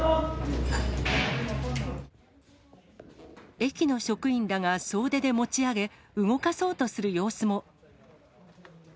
駅の職員らが総出で持ち上げ、動かそうとする様子も。